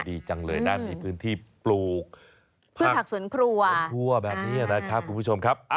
ดีจังเลยนะมีพื้นที่ปลูกพืชผักสวนครัวสวนครัวแบบนี้นะครับคุณผู้ชมครับ